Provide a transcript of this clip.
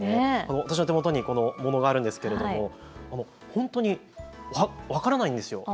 私の手元にものがあるんですけれど本当に分からないんです。